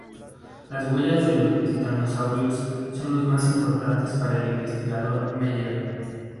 Las huellas de los titanosaurios son los más importantes para el investigador Meyer.